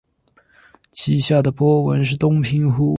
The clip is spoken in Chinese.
其下的波纹是东平湖。